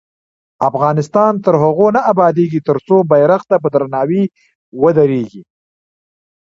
افغانستان تر هغو نه ابادیږي، ترڅو بیرغ ته په درناوي ودریږو.